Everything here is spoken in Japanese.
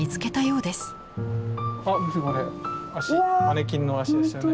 マネキンの足ですよね。